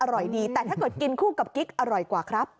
อร่อยดีแต่ถ้าเกิดกินคู่กับกิ๊กอร่อยกว่าครับ